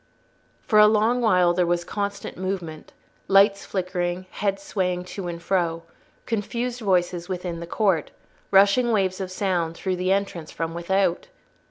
For a long while there was constant movement, lights flickering, heads swaying to and fro, confused voices within the court, rushing waves of sound through the entrance from without.